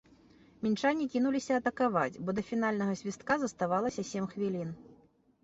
Мінчане кінуліся атакаваць, бо да фінальнага свістка заставалася сем хвілін.